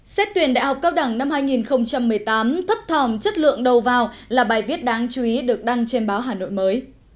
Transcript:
xét tuyển đại học cao đẳng năm hai nghìn một mươi tám thấp thòm chất lượng đầu vào là bài viết đáng chú ý được đăng trên báo hà nội mới